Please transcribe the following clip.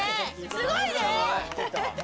すごいね！